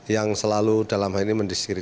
yang selalu dalam hal ini mendiskusi